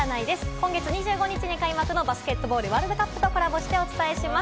今月２５日に開幕のバスケットボールワールドカップとコラボしてお伝えします。